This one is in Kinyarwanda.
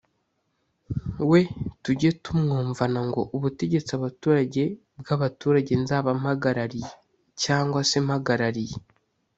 we tujye tumwumvana ngo “ubutegetsi abaturage bw’abaturage nzaba mpagarariye cyangwa se mpagarariye ”